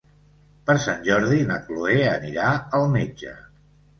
Per Sant Jordi na Cloè anirà al metge.